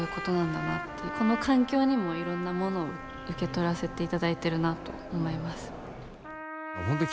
この環境にもいろんなものを受け取らせていただいてるなと思います。